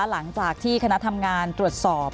หลังจากที่คณะทำงานตรวจสอบ